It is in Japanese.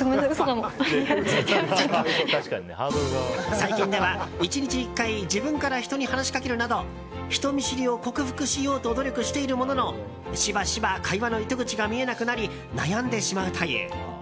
最近では１日１回自分から人に話しかけるなど人見知りを克服しようと努力しているもののしばしば会話の糸口が見えなくなり悩んでしまうという。